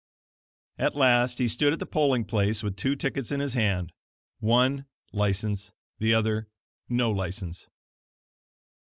At last he stood at the polling place with two tickets in his hand one, license; the other, "No License."